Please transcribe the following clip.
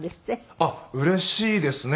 あっうれしいですね。